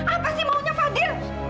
apa sih maunya fadil